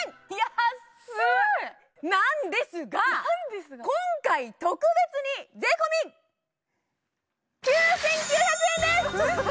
なんですが今回特別に税込み９９００円です！嘘！？